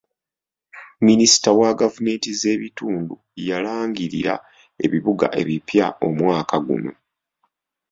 Minisita wa gavumenti z'ebitundu yalangirira ebibuga ebipya omwaka guno.